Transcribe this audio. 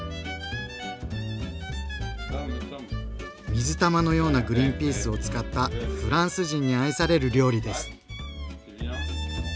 水玉のようなグリンピースを使ったフランス人に愛される料理です。